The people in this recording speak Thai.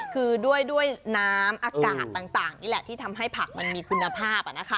คือด้วยน้ำอากาศต่างนี่แหละที่ทำให้ผักมันมีคุณภาพ